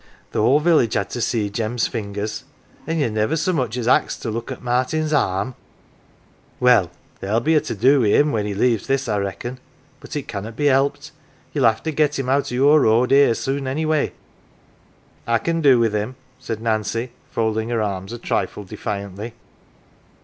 the whole village had to see Jem's fingers An' ye niver so much as axed to look at Martin's arm ! Well, there'll be a to do wi' him when he leaves this, I reckon, but it cannot be helped. Ye'll have to get him out o' your road here, soon, anyway." " I can do with him !" said Nancy, folding her arms a trifle defiantly.